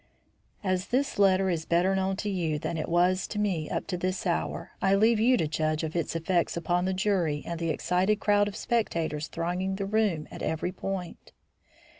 As this letter is better known to you than it was to me up to this hour, I leave you to judge of its effect upon the jury and the excited crowd of spectators thronging the room at every point.